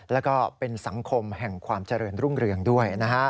แล้วก็เป็นสังคมแห่งความเจริญรุ่งเรืองด้วยนะฮะ